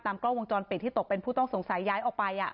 กล้องวงจรปิดที่ตกเป็นผู้ต้องสงสัยย้ายออกไป